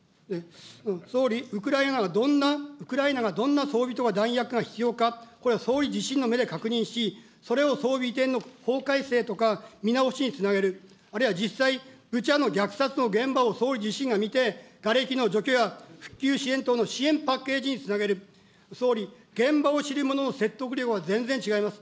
総理、ウクライナがどんな、ウクライナがどんな装備とか弾薬が必要か、これは総理自身の目で確認し、それを装備移転の法改正とか見直しにつなげる、あるいは、実際、ブチャの虐殺の現場を総理自身が見て、がれきの除去や復旧支援等の支援パッケージ等につなげる、総理、現場を知る者の説得力は、全然違います。